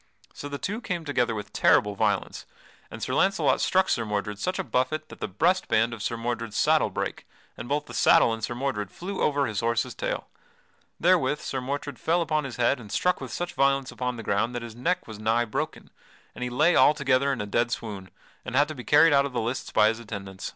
So the two came together with terrible violence and Sir Launcelot struck Sir Mordred such a buffet that the breast band of Sir Mordred's saddle brake, and both the saddle and Sir Mordred flew over his horse's tail. Therewith Sir Mordred fell upon his head and struck with such violence upon the ground that his neck was nigh broken, and he lay altogether in a dead swoon and had to be carried out of the lists by his attendants.